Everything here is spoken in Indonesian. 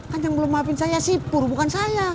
kan yang belum maafin saya sipur bukan saya